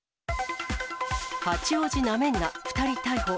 八王子なめんな、２人逮捕。